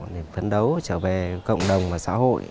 để phấn đấu trở về cộng đồng và xã hội